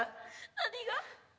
何が？